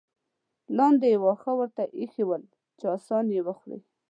لاندې یې واښه ورته اېښي ول چې اسان یې وخوري.